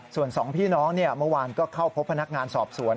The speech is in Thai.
ส่วนสองพี่น้องเมื่อวานก็เข้าพบพนักงานสอบสวน